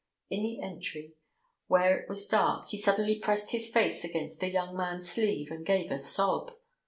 In the entry, where it was dark, he suddenly pressed his face against the young man's sleeve and gave a sob.